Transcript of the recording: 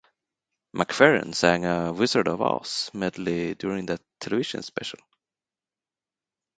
McFerrin sang a "Wizard of Oz" medley during that television special.